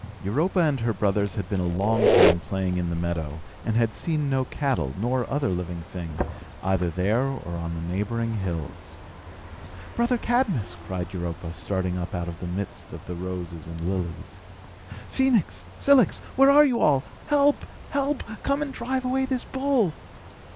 Europa and her brothers had been a long time playing in the meadow, and had seen no cattle, nor other living thing, either there or on the neighbouring hills. "Brother Cadmus!" cried Europa, starting up out of the midst of the roses and lilies. "Phœnix! Cilix! Where are you all? Help! Help! Come and drive away this bull!"